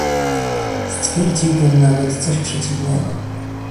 Stwierdziłbym nawet coś przeciwnego